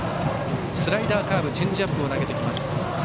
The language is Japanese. スライダー、カーブチェンジアップを投げてきます。